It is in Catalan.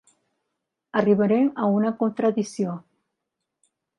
Arribarem a una contradicció.